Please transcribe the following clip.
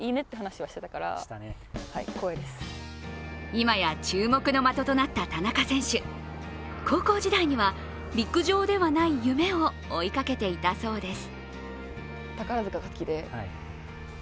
今や注目の的となった田中選手、高校時代には陸上ではない夢を追いかけていたそうです。